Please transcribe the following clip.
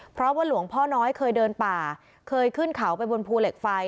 เพราะว่าหลวงพ่อน้อยเคยเดินป่าเคยขึ้นเขาไปบนภูเหล็กไฟ